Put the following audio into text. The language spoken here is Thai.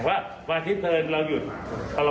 ว่าวันอาทิตย์เกิดเราหยุดพอเรามอร่อย